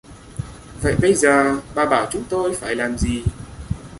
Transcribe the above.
Vậy bây giờ bà bảo chúng tôi phải làm gì